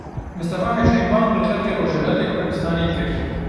Mistefa Hicrî bang li xelkê Rojhilatê Kurdistanê kir.